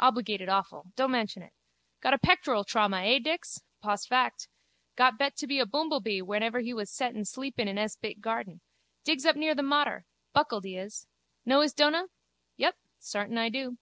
Obligated awful. Don't mention it. Got a pectoral trauma, eh, Dix? Pos fact. Got bet be a boomblebee whenever he wus settin sleepin in hes bit garten. Digs up near the Mater. Buckled he is. Know his dona? Yup, sartin I do.